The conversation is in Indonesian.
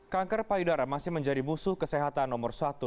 kanker payudara masih menjadi musuh kesehatan nomor satu